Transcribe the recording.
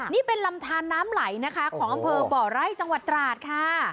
นี่เป็นลำทานน้ำไหลนะคะของอำเภอบ่อไร่จังหวัดตราดค่ะ